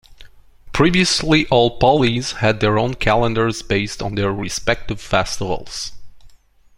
Previously, all "poleis" had their own calendars based on their respective festivals.